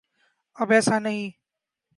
اب ایسا نہیں۔